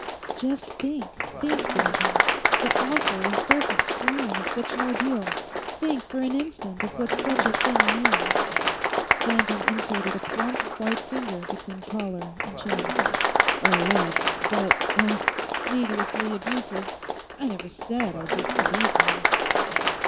'Just think, think, Danton—the awful, incessant strain of such an ordeal. Think for an instant what such a thing means!' Danton inserted a plump, white finger between collar and chin. 'Oh yes. But—eh?—needlessly abusive? I never said I disbelieved him.